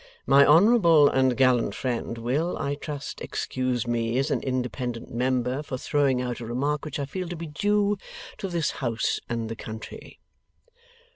My honourable and gallant friend will, I trust, excuse me, as an independent member, for throwing out a remark which I feel to be due to this house and the country.